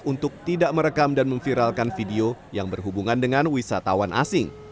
untuk tidak merekam dan memviralkan video yang berhubungan dengan wisatawan asing